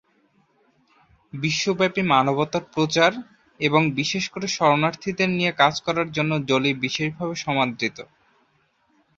বিশ্বব্যাপী মানবতার প্রচার, এবং বিশেষ করে শরণার্থীদের নিয়ে কাজ করার জন্য জোলি বিশেষভাবে সমাদৃত।